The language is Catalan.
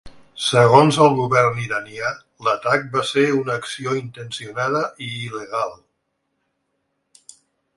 Segons el govern iranià, l'atac va ser una acció intencionada i il·legal.